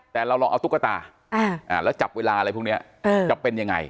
แต่เราลองเอาตุ๊กตาแล้วจับเวลาอะไรพวกนี้จะเป็นยังไง